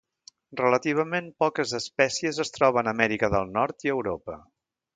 Relativament poques espècies es troben a Amèrica del Nord i Europa.